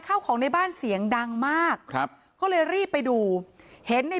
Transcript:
เข้าของในบ้านเสียงดังมากครับก็เลยรีบไปดูเห็นใน